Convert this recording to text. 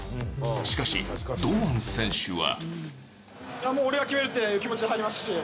しかし、堂安選手は。